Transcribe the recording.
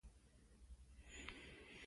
ازادي راډیو د بیکاري اړوند مرکې کړي.